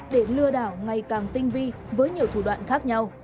để lừa đảo ngày càng tinh vi với nhiều thủ đoạn khác nhau